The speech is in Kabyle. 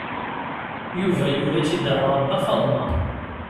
Yuba yuɣ-itt-id ɣer Nna Faḍma.